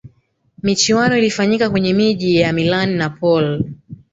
michuano ilifanyika kwenye miji ya milan napoli